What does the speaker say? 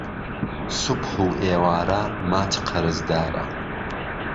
سوبح و ئێواره، ماچ قهرزداره